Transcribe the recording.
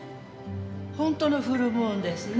本当のフルムーンですね。